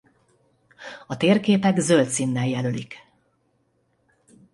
A térképek zöld színnel jelölik.